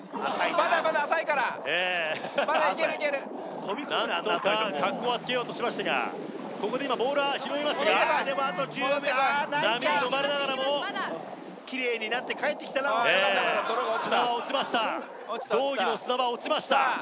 まだまだ浅いからまだいけるいけるなんとか格好はつけようとしましたがここで今ボールは拾いましたが波にのまれながらもきれいになって帰ってきたなええ砂は落ちました落ちた落ちた胴着の砂は落ちました